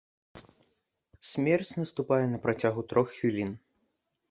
Смерць наступае на працягу трох хвілін.